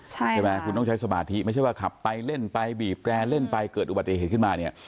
ใช่ไหมคุณต้องใช้สมาธิไม่ใช่ว่าขับไปเล่นไปบีบแกร่เล่นไปเกิดอุบัติเหตุขึ้นมาเนี่ย